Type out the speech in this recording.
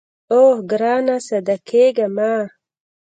اوو ګرانه ساده کېږه مه.